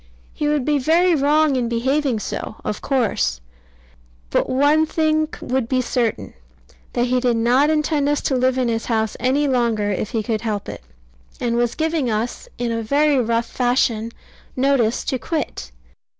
He would be very wrong in behaving so, of course: but one thing would be certain, that he did not intend us to live in his house any longer if he could help it; and was giving us, in a very rough fashion, notice to quit.